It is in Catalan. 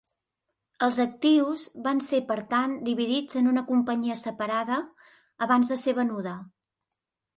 Els actius van ser per tant dividits en una companyia separada, abans de ser venuda.